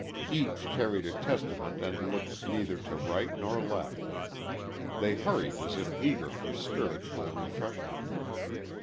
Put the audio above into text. Each carried a Testament and looked neither to right nor left. They hurried as if eager for spiritual refreshment.